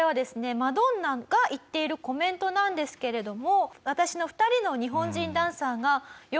マドンナが言っているコメントなんですけれども。